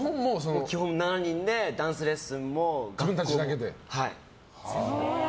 基本７人でダンスレッスンも。